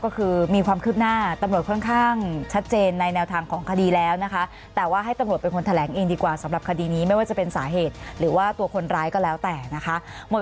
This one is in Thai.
อยู่ระหว่างสิบส่วนส่วนส่วนเดี๋ยวค่อยเจ้งไอ้ทราบต่อไปครับ